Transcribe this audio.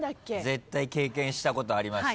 絶対経験したことありますよ。